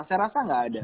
saya rasa tidak ada